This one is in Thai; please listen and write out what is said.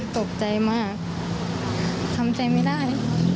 ตกใจมากทำใจไม่ได้